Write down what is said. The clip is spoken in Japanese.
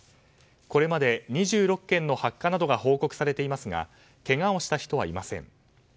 これまで２６件の発火などが報告されていますがけがをした人はいません。